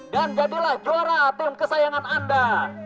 dan jadilah juara tim kesayangan anda